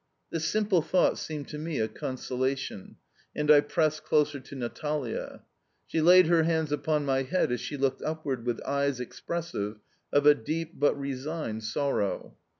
This simple thought seemed to me a consolation, and I pressed closer to Natalia. She laid her hands upon my head as she looked upward with eyes expressive of a deep, but resigned, sorrow.